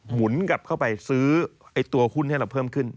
หมุนกลับเข้าไปซื้อตัวหุ้นให้เราเพิ่มขึ้น